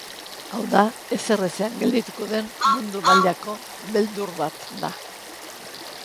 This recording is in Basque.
Hau da, ezerezean geldituko den mundu mailako beldur bat da.